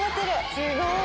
すごい。